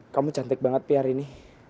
kamu cantik banget pi hari ini